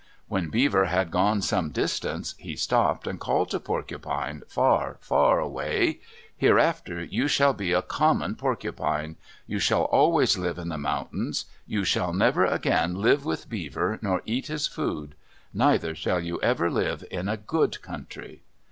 When Beaver had gone some distance, he stopped and called to Porcupine far, far away: "Hereafter you shall be a common porcupine. You shall always live in the mountains. You shall never again live with Beaver nor eat his food. Neither shall you ever live in a good country."